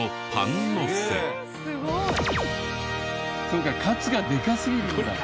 そうかカツがでかすぎるんだ。